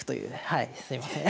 はいすいません。